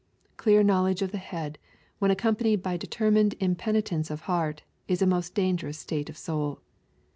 Clear knowledge of the \ head, when accompanied by determined impenitence of ^eart, is a most dangerous state of soul.